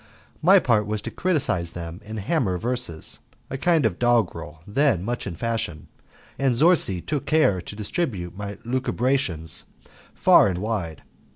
My part was to criticise them in hammer verses a kind of doggerel then much in fashion, and Zorzi took care to distribute my lucubrations far and wide.